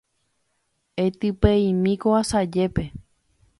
Etypeimi ko asajépe.